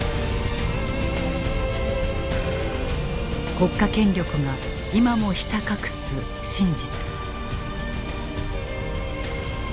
国家権力が今もひた隠す「真実」。